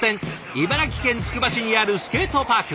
茨城県つくば市にあるスケートパーク。